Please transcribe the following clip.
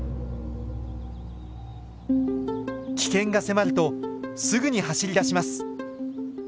危険が迫るとすぐに走りだします。